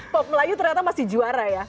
pop melayu ternyata masih juara ya